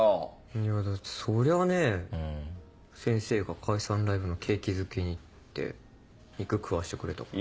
いやだってそりゃあね先生が「解散ライブの景気づけに」って肉食わしてくれたから。